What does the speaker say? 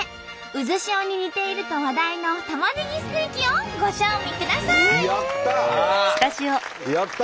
渦潮に似ていると話題のたまねぎステーキをご賞味ください！